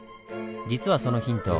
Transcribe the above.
実はそのヒント